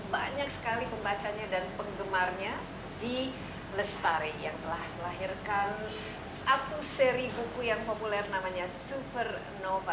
banyak sekali pembacanya dan penggemarnya di lestari yang telah melahirkan satu seri buku yang populer namanya supernova